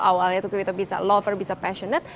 awalnya tuh kita bisa lover bisa passionate